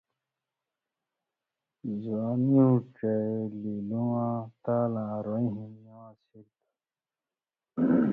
زُوانیوں ڇیلیلواں تالا روئیں ہِن نِوان٘ز شریۡ تھُو۔